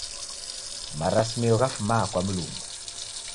Marasimio ghafuma kwa Mlungu.